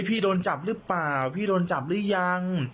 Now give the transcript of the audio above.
พี่โดนจับหรือเปล่าพี่โดนจับหรือยัง